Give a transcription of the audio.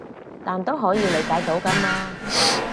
但都可以理解到㗎嘛